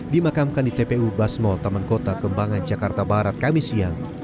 dimakamkan di tpu basmol taman kota kembangan jakarta barat kamis siang